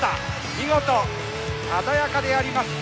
見事鮮やかであります塚原。